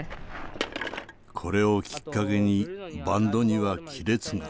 これをきっかけにバンドには亀裂が。